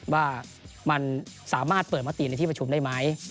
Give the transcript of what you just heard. ว่ามันสามารถเปิดมติในที่ประชุมได้ไหม